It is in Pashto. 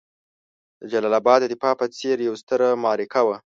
د جلال اباد د دفاع په څېر یوه ستره معرکه وه.